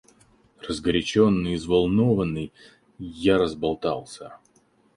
Разгоряченный и взволнованный, я разболтался.